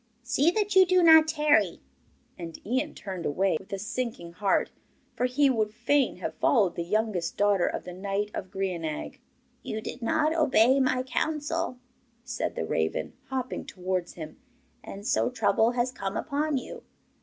See that you do not tarry.' And Ian turned away with a sinking heart, for he would fain have followed the youngest daughter of the knight of Grianaig. 'You did not obey my counsel,' said the raven, hopping towards him, 'and so trouble has come upon you.